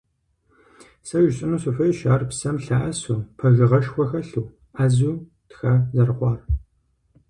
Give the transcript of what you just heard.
Сэ жысӀэну сыхуейщ ар псэм лъэӀэсу, пэжыгъэшхуэ хэлъу, Ӏэзэу тха зэрыхъуар.